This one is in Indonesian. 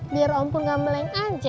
biar om pun gak meleng anja